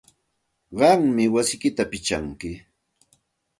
Qammi wasiyki pichanki.